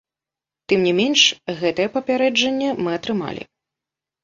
Тым не менш, гэтае папярэджанне мы атрымалі.